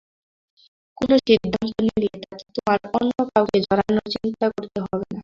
কোনো সিদ্ধান্ত নিলে, তাতে তোমায় অন্য কাউকে জড়ানোর চিন্তা করতে হবে না।